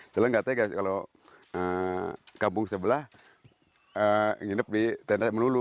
soalnya katanya kalau kampung sebelah nginep di tenda melulu